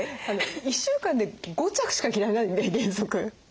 １週間で５着しか着られないんで原則。